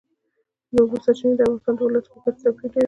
د اوبو سرچینې د افغانستان د ولایاتو په کچه توپیر لري.